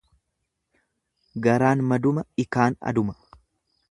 Garaan maduma ikaan aduma.